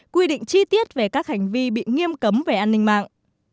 quy định chi tiết về các hành vi bị nghiêm cấm về an ninh mạng